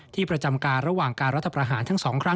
ที่มีความสบายที่เหมือนกัน